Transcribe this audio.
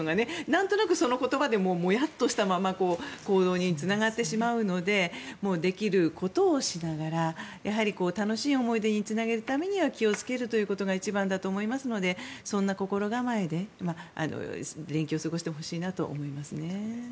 なんとなくその言葉でもやっとしたまま行動につながってしまうのでできることをしながら、やはり楽しい思い出につなげるためには気をつけるということが一番だと思いますのでそんな心構えで連休を過ごしてほしいなと思いますね。